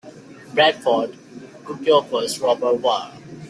Bradford", "Quercus robur var.